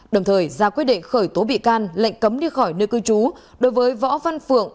đồng thời ra quyết định khởi tố bị can lệnh cấm đi khỏi nơi cư trú đối với võ văn phượng